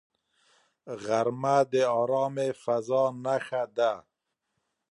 غرمه د آرامې فضاء نښه ده